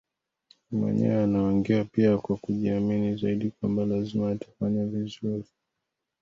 na mwenyewe anaongea pia kwa kujiamini zaidi kwamba lazima atafanya vizuri